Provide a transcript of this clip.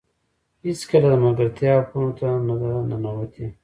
هېڅکله د ملګرتیا اپونو ته نه ده ننوتې